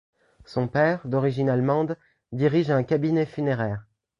Son père, d'origine allemande, dirige un cabinet funéraire.